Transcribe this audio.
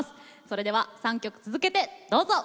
それでは３曲続けてどうぞ。